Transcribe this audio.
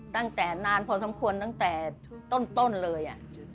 ตั้งแต่นานพอสมควรตั้งแต่ต้นเลย